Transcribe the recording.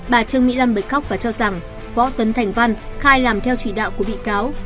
bà trương mỹ lâm bịch khóc và cho rằng võ tấn thành văn khai làm theo chỉ đạo của bị cáo